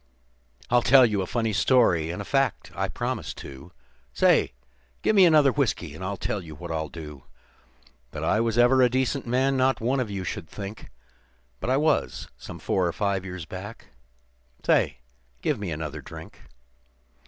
"I'll tell you a funny story, and a fact, I promise, too. Say! Give me another whiskey, and I'll tell what I'll do That I was ever a decent man not one of you would think; But I was, some four or five years back. Say, give me another drink.